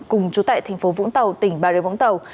cùng trú tại tp vũng tàu tỉnh bà rêu vũng tàu